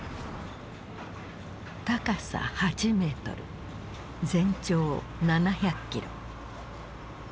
高さ８メートル全長７００キロ。